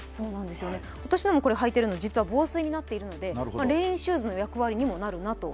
私も履いているのは実は防水になっているので、レインシューズの役割にもなるなと。